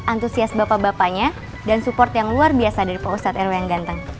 antusias bapak bapaknya dan support yang luar biasa dari pak ustadz erwin ganteng